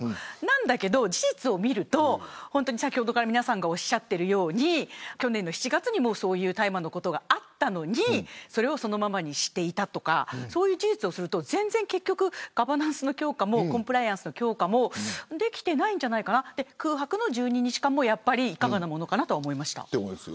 だけど、事実を見ると先ほどから皆さんがおっしゃっているように去年の７月にも大麻のことがあったのにそのままにしていたとかそういう事実からすると結局、ガバナンスの強化もコンプライアンスの強化もできていないんじゃないかな空白の１２日間もがばなものかなと思いました。